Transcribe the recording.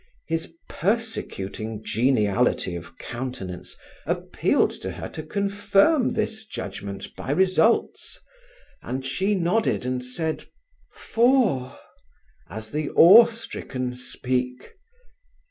His persecuting geniality of countenance appealed to her to confirm this judgement by results, and she nodded and said: "Four," as the awe stricken speak.